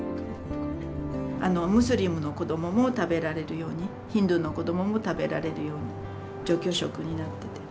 あのムスリムの子どもも食べられるようにヒンドゥーの子も食べられるように除去食になってて。